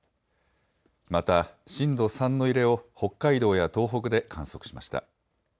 また、震度３の揺れを北海道や東北で観測しました。